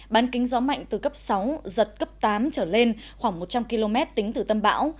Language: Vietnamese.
bán kính gió mạnh từ cấp sáu giật cấp tám trở lên khoảng một trăm linh km tính từ tâm bão